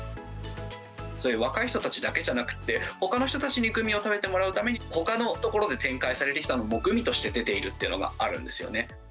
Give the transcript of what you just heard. そういう若い人たちだけじゃなくって、ほかの人たちにグミを食べてもらうために、ほかのところで展開されてきたものがグミとして出ているっていうのがあるんですよね。